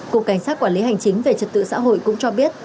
cục cảnh sát quản lý hành chính về trật tự xã hội cũng cho biết